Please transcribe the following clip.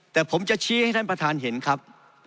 แต่ผมจะชี้ให้ท่านประธานเห็นครับ